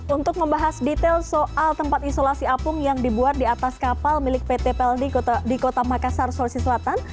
untuk membahas detail soal tempat isolasi apung yang dibuat di atas kapal milik pt pelni di kota makassar sulawesi selatan